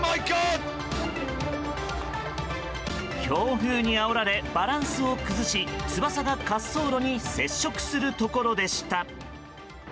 強風にあおられバランスを崩し翼が滑走路に接触するところでした。